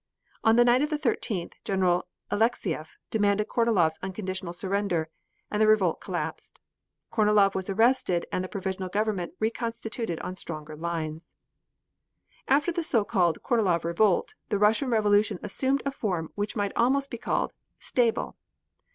On the night of the 13th, General Alexief demanded Kornilov's unconditional surrender, and the revolt collapsed. Kornilov was arrested and the Provisional Government reconstituted on stronger lines. After the so called Kornilov revolt, the Russian Revolution assumed a form which might almost be called stable.